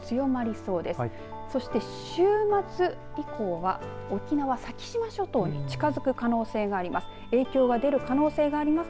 そして、週末以降は沖縄、先島諸島に近づく可能性があります。